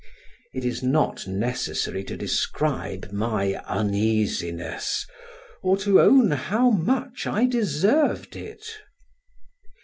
It is not necessary to describe my uneasiness, or to own how much I deserved it.